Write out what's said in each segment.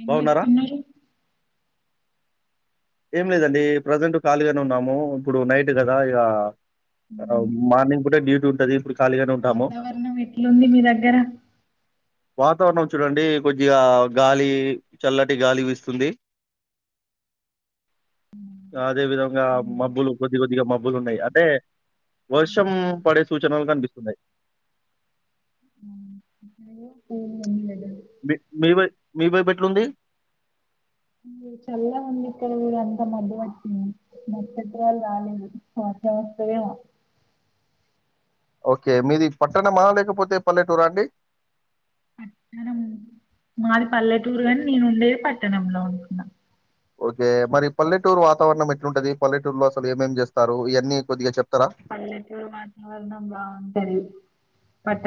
ఎం బాగున్నారా? చేస్తున్నారు ఏమ్లేదండి ప్రెజంట్ ఖాళీగానే ఉన్నాము ఇప్పుడు నైట్ గదా ఇగా మార్నింగ్ పూట డ్యూటీ ఉంటది ఇప్పుడు ఖాళీగానే ఉంటాము. వాతావర్ణం ఏట్లుంది మీ దగ్గర వాతావర్ణం చూడండి కొద్దిగా గాలి చల్లటి గాలి వీస్తుంది అదే విధంగా ఉమ్. మబ్బులు కొద్ది కొద్దిగా మబ్బులు ఉన్నాయ్ అంటే వర్షం పడే సూచనల్ కనిపిస్తున్నాయ్ ఏమ్ అన్లేదు మీ మీ వై మీ వైపు ఏట్లుంది చల్ గా ఉంది ఇక్కడ గూడా అంతా మబ్బుపట్టింది మా పెద్దవాళ్ల్ రాలేదు వర్షమోస్తదేమో ఒకే మీది పట్టణమా లేకపోతే పల్లెటూరాండి పట్టణం మాది పల్లెటూర్ గాని నేను ఉండేది పట్టణంలో ఉంటునా ఒకే మరి పల్లెటూరు వాతావర్ణం ఏట్లుంటది పల్లెటూర్లో అసల్ ఏమేమ్ చేస్తారు ఇవన్నీ కొద్దిగా చెప్ పల్లెటూర్ వాతావర్ణం బావుంటది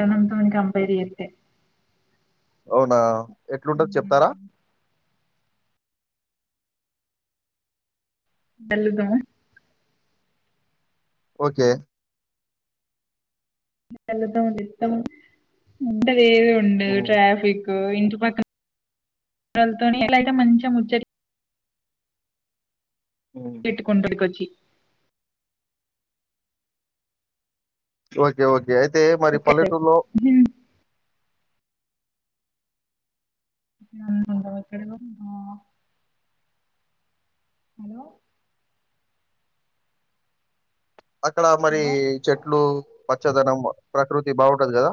హ్మ్. కంపేర్ చేత్తే ఔనా ఏట్లుంటది చెప్తారా [unintelligible] ఓకే [unintelligible] ఏది ఉండదు హ్మ్. ట్రాఫిక్ ఓ ఇంటి పక్క [unintelligible] మంచిగా ముచ్చట హ్మ్. ట్టుకుంటా [unintelligible] ఓకే ఓకే ఇ అయితే మరి ఇక్కడ సైడ్ పల్లెటూరులో [unintelligible] ఎక్కడున్నావ్ హలో అక్కడ మరి హలో చెట్లు పచ్చదనం ప్రకృతి బాగుంటది కదా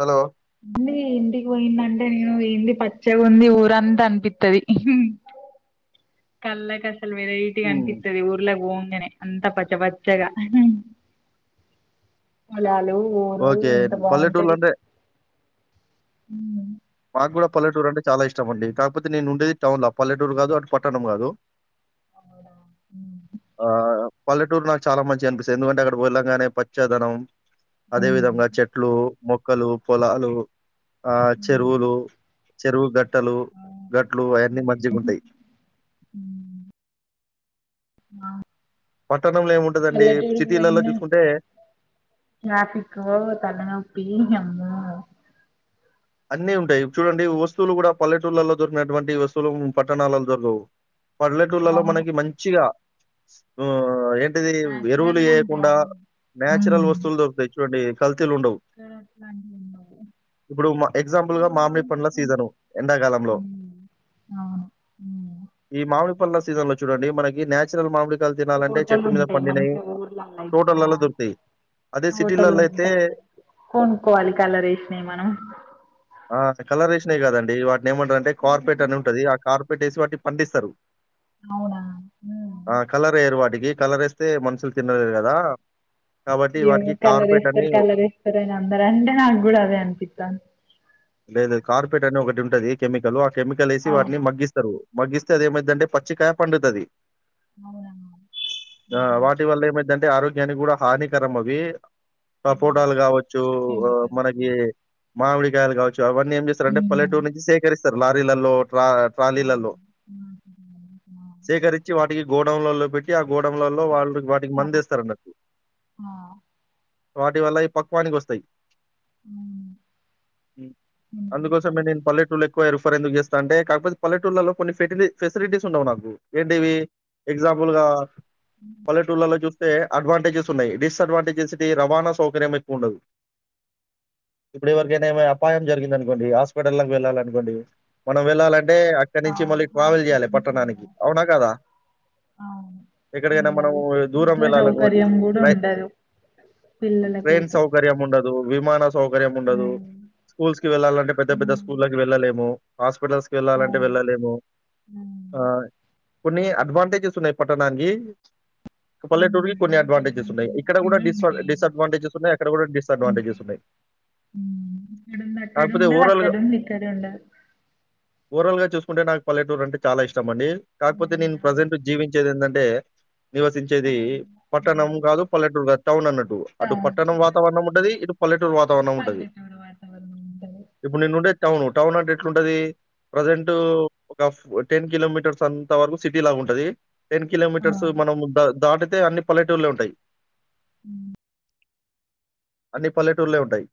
హలో అండి ఇంటికి పోయిందంటే నేను ఏంది పచ్చగా ఉంది ఊరంత అనిపిత్తది కళ్ల కన్ అ వెరైటీ గా హ్మ్. అనిపిస్తది ఊర్లకు పోంగానే అంత పచ్చ పచ్చగా పొలాలు ఊరు ఓకే పల్లెటూర్లో అంటే హ్మ్ నాకు కూడా పల్లెటూరు అంటే చాలా ఇష్టమండి కాకపోతే నేను ఉండేది టౌన పల్లెటూరు కాదు అటు పట్టణం కాదు అవునా ఆహ్, పల్లెటూరు నాకు చాలా మంచిగ అనిపిస్తది ఎందుకంట అక్కడికి వెళ్లాగానే పచ్చదనం అదే విధంగా చెట్లు మొక్కలు పొలాలు ఆ చెరువులు చెరువు గట్ ట్టలు గట్లు అయన్నీ మంచిగుంటాయి ఆ ఏముంటదండి, పల్లెటూరుకి సిటీలలో పోయిన్న చూసుకుంటే రాత్రికో తల నొప్పి యం అన్నీ ఉంటాయి చూడండి వస్తువులు కూడా పల్లెటూళ్లలో దొరికినటువంటి వస్తువులు పట్టణాలలో దొరకవు పల్లెటూళ్లలో అవును మనకి మంచిగా మ్ ఎ ది ఎరువులు నాచురల్ గా ఉంటాయి ఎయకుండా అన్ని న్యాచురల్ ఉమ్ వస్తువులు దొరుకుతాయి చూడండి కల్తీలుండవు ఇక్కడ అట్లాంటివి ఉండవు ఇప్పుడు మా ఎగ్జాంపుల్ గా ఊర్లు మామిడి ఉంటే పండ్ల కొంచెం సీజను ఎండాకాలంలో ఉమ్ అవును ఉమ్ ఈమామి మామిడి పండ్ల సీజన్ లో చూడండి మనకి న్యాచురల్ మామిడి హోటలు ఉంటాయి మంచిగా ఊర్లలా అయినా తోటలలో దొరుకుతాయి. అదే హటలు సిటీలలో అయితే ఉంటాయి కొనుోవాలి కలర్ వేసినాయి మనం ఆ కలర్ రేషష్నే కాదండి వా ఏమంట అంటే కార్పొరట్ ఉమ్, అని ఉంటది ఆ కార్ప పెట్టేసి వాటి పండిస్తారు అవునా ఉమ్ ఆ కలర్ ఏర్ వాడికి కలర వేస్తే మనుషులు తినలేరు కదా నవ్ కలర్ ఇస్తారు కలర్ ఇస్తారే అందర అందే నాగగు కూడా అదే అంత లేదు కార్ పెట్ట అని ఒకటి ఉంటది కెమికల్ కెమికల్ వేసి వాటిని అవునా మగ్గిస్తారు మగగిస్తే అది ఏమైతుందంటే పచ్చికయ పడుతు అది అవులా ఎంటంటే ఆరోగ్యానికి కూడా హానికరం అవి టపోటాలు కావచ్చు ఆ కెమికల్స్ మనకి మావడి కాయాలలు చ అవన్నీ ఏ చేస్తారంటే ఉమ్ పలెటో నుంచి సేకరి సార్ లారీలలో ట్రాల లో శేకరిచ్చ వా గోడౌన్ల లో పెట్టి గోడలలో వాళ్ళు వాటికి మంది ఇస్తారు అన్నట్టు వాటి వల్ల ఈ పక్వానికి వస్తాయి అందుకోసం మేము తెలిసాను. నేను పల్లెటూలో క్వ రిఫర్ ఎందుకు చేస్తా అంటే కాకపతే పల్లెటూళ్లలో కొన్ని ఫెసిలిటీస్ ఉండవు నాకు ఏంటివి ఎగ్జాంపుల్ గా పలటూలాలో జ తే అడ్వాంటేజెస్ ఉన్నాయి డిస్ అడ్వాంటేజెస్ రవాణా సకర్యం ఎక్కువ ఉండదు ఇప్పుడు ఎవరికైనా ఏమ అపాయం జరిగింది అనుకోండి హాస్పిటల్కి వెళ్ళాలి అకోండి మనం వెళ్ళాలంటే అక్కడ ఆ, నుంచి మళ్ళ ట్రావెల్ చేయాలి హాస్పిటల్స్ పట్టణానికి ఉన్నాయి. అవునా కదా అవును ఎక్కడికైనా మనం చేయాలి దూరం విద్యా వెళ్ళాల సౌకర్యం కూడా ఉండదు ట్రైన్ పిల్లలకైతే సౌకర్యం ఉండదు విమాన స ఉండదు ఉమ్, స్కూల్ కి వెళ్లాలంటే పెద్ద పెద్ద ఉమ్, స్కూల్కిి వెళ్ళాల స్ హాస్పిటల్స్కి వెళ్ళాలంటే అవును వెళ్ళలేము ఉమ్, కొన్ని అడ్వాంటేజెస్ ఉన్నాయి పట్టణానికి ఉమ్, పల్లెటూర్కి కొన్ని అడ్వాంటేజెస్ ఉన్నాయి ఇక్కడ కూడా డిస్ ఉంటాయి డిస్ ఇంకా అడ్వాంటేజెస్ ఉన్నాయి అక్కడ కూడా డిస్ అడ్వాంటేజెస్ ఉంటాయి ఉన్నాయి ఇక్కడుంది అక్కడ కాకపోతే ఉండదు అక్కడంది ఇక్కడ ఉండదు ఓవరాల్గా చూసుకుంట నాకు పల్ెటూరు అే చాల ఇష్టం ష్టండి కాకపోతే నేను అవును, ప్రజెంట్ జీవించేది ఏందంటే అంటే నివసించేది అవును, అవును. పట్టణం కాదు పల్లెటూరు కాదు అవునున్నటు అటు పట్టణం వాతావరణం ఉండది ఇటు పలటూర్ పల్టరు వాతావరణం ఉంట టౌన్ టౌన్ అంటే ఎట్లుంటది ప్రజెంట్ ఒక టెన్ కిలోమీటర్స్ అంత వరకు సిటీ లాగా ఉంటది టెన్ ఆ కిలోమీటర్స్ మనం ద దాటి అయితే అన్ని పల్లెటూర్లో ఉంటాయి అ అన్నిీ పల్లెటూర్లే ఉంటాయి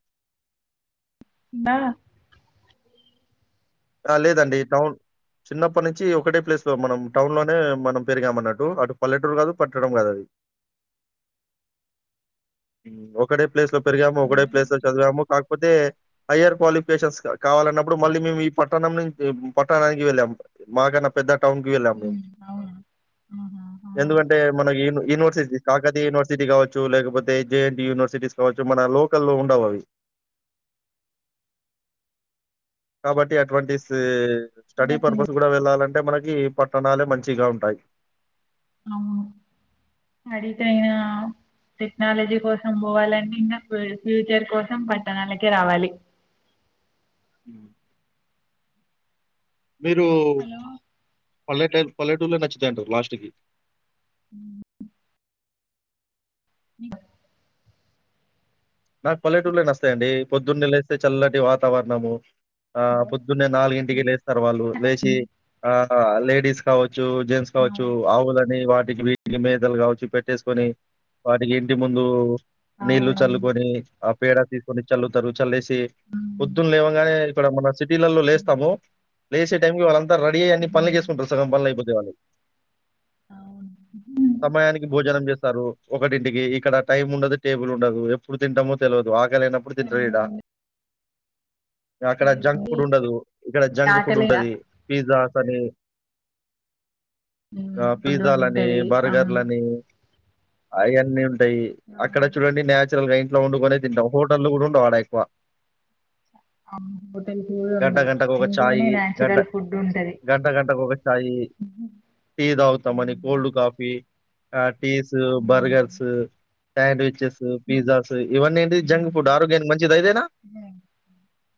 బా ఆ లేదండి టౌన్ చిన్నప్పటి నుంచి ఒకటే ప్లేస్ లో మనం టౌన్ లోనే మనం పెరిగామ అన్నట్టు అటు పల్లెటూరు కాదు పట్టడంం కాదు అది ఒకటే ప్లేస్ లో పెరిగాము ఒకడే ప్లేస్ లో చదివాము కా కపోతే హయర్ క్వాలిఫికేషన్స్ కావాలన్నప్పుడు మళ్ళీ మేము పట్టణం నుంచి పట్టణానికి వెళ్ళాం మాకన్నా పెద్ద టౌన్ కి వెళ్ళాం మేము ఉమ్ అవును ఆహా ఎందుకంటే మన యూనివర్సిటీ కాకతీ యూనివర్సిటీ కావచ్చు లేకపోతే జేఎన్ యూనివర్సిటీస్ కావచ్చు మన లోకల్లో ఉండవు అవి కాబట్టి అడ్వాంటేజ్ స్టడీ పర్పస్ కూడా వెళ్ళాలండి అంటే మనకి పట్టణాలే మంచిగా ఉంటాయి అవును అడితేయినా టెక్నాలజీ కోసం పోవాలంీ ఇంకా ఫ్యూచర్ కోసం పట్టణాలకే రావాలి హ్మ్. మీరు హలో పల్లెటెల్, పల్లెటూలో నచ్చుతాయి అంటావు, లాస్ట్ కి. హ్మ్. [inaudible] నాకు పల్లెటూళ్లే నస్తాయండి, పొద్దున్నే లేస్తే చల్లటి వాతావరణము. ఆ హలో! పొద్దున్నే నాలుగింటికి లేత్తరు వాళ్ళు కట్ లేచి, అయిపోయింది. ఆ ఆల్. లేడీస్ కాచ్చ. జో జెన్స్ కావచ్చు అవును ఆవుల. మే వాటికి వీటికి మేతలు కావచ్చు పెట్టేసుకొని, వాటికి ఇంటి ముందూ. నీళ్లు అవును చల్లు. ఆ పేడ తీసుకుని చల్లుతరు, చాల్లేసి. హ్మ్. పొద్దున్ లేవంగానే. కడంబా, బస్. సిటీలల్లో, హ్మ్. లేస్తాము. లేసే టైమ్ కె మనమ్. అంత రడీ అయ్యి అన్నీ పనులు హ్మ్. చేసుకుటం, సగం పనులు అయిపోతై వాళ్లకి. అవును. హ్మ్. సమయానికి, భోజనం చేస్త. తరు ఒకటింటికి ఇక్కడ, టైం ఉండదు టేబుల్ ఉండదు, ఎపు. ఎప్పుడు తింటామో తెలువదు అక్. ఆకలైనప్పుడు తింటారు ఈడ. టైముండదు. ఈగ అక్కడ జంక్ ఫుడ్ ఉండదు, ఇక్కడ జంక్ ఫుడ్ ఆకలిగా ఉంటది, పిజ్జా. పనే. ఆ ఫుడ్ పిజ్జాలని ఉంటది బర్గర్ అవును లని. హాయ్ అన్నిన్. టే అక్కడ అవును. చూడండి న్యా. నచ్చర్గ ఇంట్లో ఉంకొనే తింటం హోటళ్లు కూడా ఉండవు, ఆడ ఎక్కువ. హోటల్ కూడా గంట ఉండవు గంటకు ఒక ఇంట్లోనే ఛాయి, గంట న్యాచురల్ ఫుడ్ ఉంటది గంట గంటకు ఒక ఛాయి, ఉహు. టీ తాగుతామని ఉమ్. Cold coffee. ఆ. పీసు, బర్గర్సు. Sandwiches. ఉమ్. పిజ్జాస్, ఇవన్నీ ఏంటి జంక్ ఫుడ్, ఆరోగ్యానికి మంచిద ఎదైన.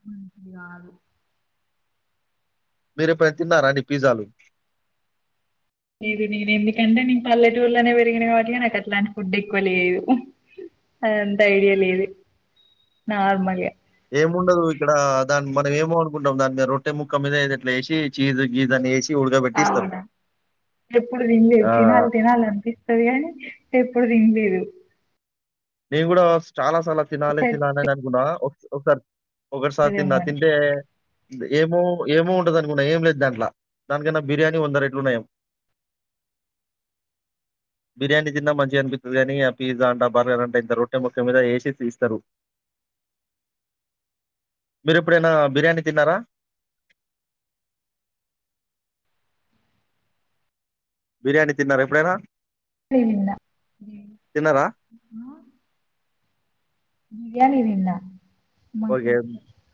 మంచిది కాదు మీరేపుడైనా తిన్నారండి పిజాలు. లేదు నేను ఎందుకంటే నేను పల్లెటూర్లోనే పెరిగిన పేరిగిన కావట్టి ఇగ నాకు అట్లాంటి ఫుడ్ ఎక్కువ లేదు, అంత ఐడియా లేదు, నార్మల్ గ. ఏముండదు ఇక్కడా, దాని మ. మేము ఏమో అనుకుంటాం, దా మీద రొట్టె ముక్క మీదఎదేట్ల ఎసి, చీజ్ గీజ్ అని ఎసి. అవునా ఎప్పుడు తినలేదు ఆహ్, తినాలి తినాలి అనిపిస్తుంది కానీ ఎప్పుడు తినలేదు నేనుకూడా చాలా సార్ల తినాలి సెట్ తినాలి అని అనుకున్నా ఒక ఒకసారి తిన్న ఏమో అని తింటే ఏమో ఏమో ఉంటది అనుకున్నా ఏం లేదు దాంట్లో దానికన్నా బిర్యానీ వంద రేట్లు నయం బిర్యానీ తిన్నా మంచిగా అనిపితది కానీ ఆ పిజ్జా అన్న బర్గర్ అన్న పెద్ద రొట్టె ముక్క మీద ఏసీ ఇంతిస్తారు మీరు ఎపుడైనా బిర్యానీ తిన్నరా బిర్యానీ తిన్నర ఎప్పుడైనా నేన్ తిన్న తిన్నారా? బిర్యానీ తిన్న మాకు ఓకే.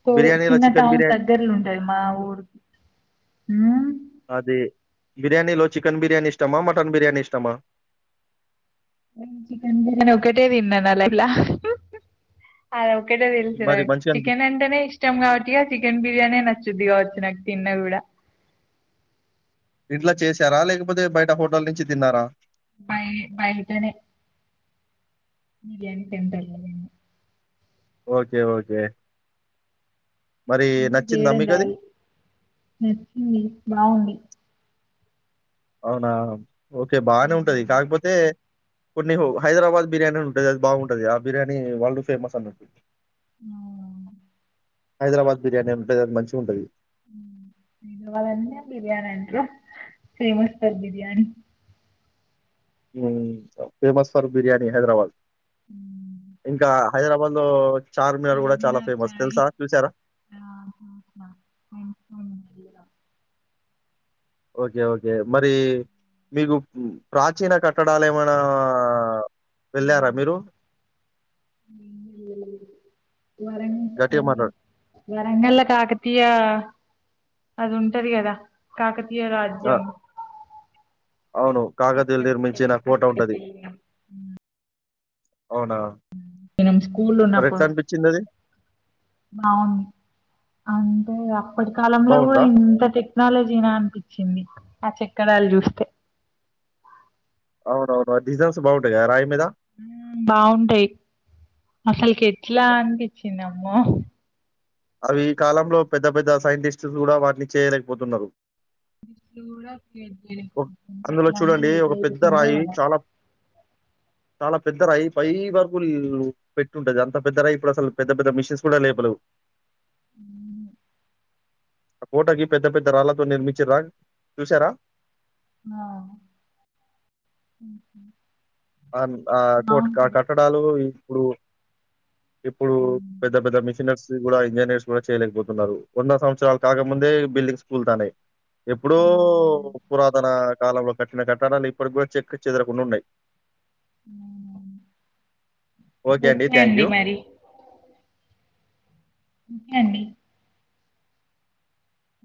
తోరు బిర్యానీలో చిన్న చికెన్ టౌన్ బిర్యానీ దగ్గర్లుంటది మా ఊరు హా అది బిర్యానీలో చికెన్ బిర్యానీ ఇష్టమా మటన్ బిర్యానీ ఇష్టమా చికెన్ బిర్యానీ ఒకటే తిన్నా నా లైఫ్ ల ఒకటే తెలిసి మరి నాకు మంచిగా అనిపి చికెన్ అంటేనే ఇష్టం కావట్టిగా చికెన్ బిర్యానీ నచ్చ గాచ్చినకు తిన్న కూడా ఇంట్లా చేసారా లేకపోతే బయట హోటల్ నుంచి తిన్నారా బయ బయటనే బిర్యానీ తింటా ఓకే ఓకే మరి ఇంట్ల నచ్చిందా చేయడం మీకది? రాదు నచ్చింది బాగుంది అవునా ఓకే బానే ఉంటది కాకపోతే కొన్ని హైదరాబాద్ బిర్యానీ అని ఉంటది అది బాగుంటది ఆ బిర్యానీ వరల్డ్ ఫేమస్ అన్నట్టు అవునవును హైదరాబాద్ బిర్యానీ ఉంటది అది మంచిగుంటది ఇ వాళన్నే బిర్యానీ అంటు ఫేమస్ అ బిర్యాని ఫేమస్ ఫర్ బిర్యానీ హైదరాబాద్ ఇంకా హైదరాబాద్లో చార్మినార్ కూడా చాలా ఫేమస్ తెలుసా చూసారా చూసిన ఓకే ఓకే మరి మీకు ప్రాచీన కట్టడాలు ఏమైనా వెళ్ళారా మీరు వరంగ గట్టిగా మాట్లాడు. వరంగల్ల కాకతీయ అది ఉంటది కదా కాకతి తీయ ఆ! రాజ్యం అవును కాకతీయులు అక్కడికి నిర్మించిన వెళ్ళి కోట అక్కడికి ఉంటది వెళ్ళినాం అవునా మనం స్కూల్ మరెట్లా ఉన్నప్పుడు అనిపిచ్చిందది? బాగుంది అ [unintelligible] ఈ కాలంలో కూడా బావుందా? ఇంత టెక్నాలజీనా అనిపించింది ఆ చెక్కడాలు చూస్తే అవునువును డిజన్స్ బాగుంటాయ్ రాై మీదా ఆ బాగుంటాయి అసలుకి ఎట్లా అనిపించిందమ్మో అవి ఈ కాలంలో పెద్ద పెద్ద సైంటిస్టులు కూడా వాటిని చేయలేకపోతున్నారు సైన్సిటీస్ట్ లు కూడా క్రియేట్ చేయలేకపోతున్నా అందులో చూడండి అట్లాంటిది ఒక ఎట్లా పెద్ద చేసిందో రాయి ఏమో చాలా చాలా పెద్దరాయి పై వరకు పెట్టి ఉంటాది అంత పెద్ద రాయి ఇప్పుడు అసలు పెద్ద పెద్ద మిషిన్స్ కూడా లేపలే అ కోటకి పెద్ద పెద్ద రాళ్ళతో నిర్మించ్రా చూసారా ఆ ఆ ఆ కొట్ ఆ బావుంటది. కట్టడాలు ఇప్పుడు ఇప్పుడు హ్మ్. పెద్ద పెద్ద మిషినర్స్ కూడా ఇంజనీర్స్ కూడా చేయలేకపోతున్నారు వంద సంవత్సరాలు కాకముందే బిల్డింగ్స్ కూల్తానాయి ఎప్పుడుూ హ్మ్. ఆ! పురాతన కాలంలో కట్న కట్టడాలు ఇప్పటి కూడా చెక్ చెదరకుండా ఉన్నాయి అ ఓకే ఒకే థ్యాంక్ అండి యూ. మరి ఒకే అండి